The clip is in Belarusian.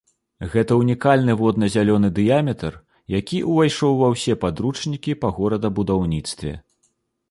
Гэта ўнікальны водна-зялёны дыяметр, які ўвайшоў ва ўсе падручнікі па горадабудаўніцтве.